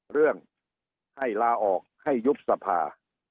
เรื่องให้ลาออกให้ยุบสภา